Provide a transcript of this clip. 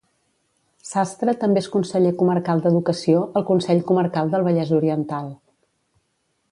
Sastre també és conseller comarcal d'educació, al Consell comarcal del Vallès Oriental.